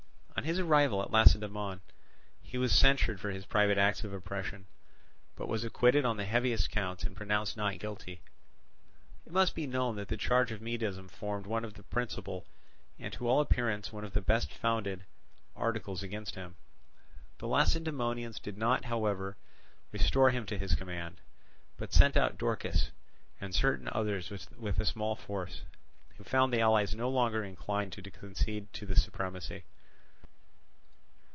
On his arrival at Lacedaemon, he was censured for his private acts of oppression, but was acquitted on the heaviest counts and pronounced not guilty; it must be known that the charge of Medism formed one of the principal, and to all appearance one of the best founded, articles against him. The Lacedaemonians did not, however, restore him to his command, but sent out Dorkis and certain others with a small force; who found the allies no longer inclined to concede to them the supremacy.